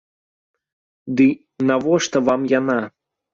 Дый навошта вам яна?